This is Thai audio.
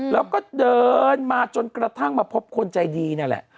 แล้วก็เดินมาจนกระทั่งมาพบคนใจดีนั่นแหละ